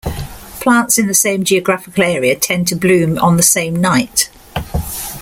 Plants in the same geographical area tend to bloom on the same night.